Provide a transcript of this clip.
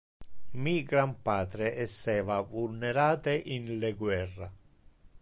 Mi granpatre esseva vulnerate in le guerra.